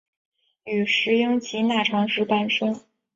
与石英及钠长石伴生。